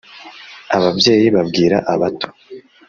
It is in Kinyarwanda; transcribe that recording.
(ababyeyi) babwira abato.